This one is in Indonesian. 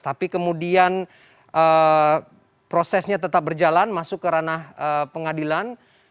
tapi kemudian prosesnya tetap berjalan masuk ke ranah pengadilan